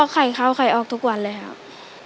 ไข่เข้าไข่ออกทุกวันเลยครับ